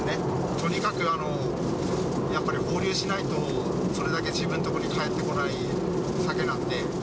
とにかくやっぱり放流しないと、それだけ自分の所に帰ってこないサケなんで。